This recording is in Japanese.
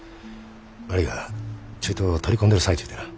悪いがちょいと取り込んでる最中でな。